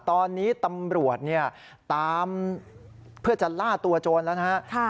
ตอนนี้ตำรวจเนี่ยตามเพื่อจะล่าตัวโจรแล้วนะฮะ